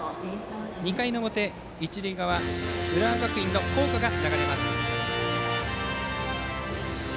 ２回の表、一塁側浦和学院の校歌です。